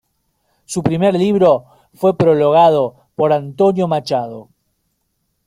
Su primer libro fue prologado por Antonio Machado.